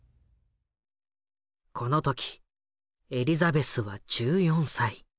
この時エリザベスは１４歳。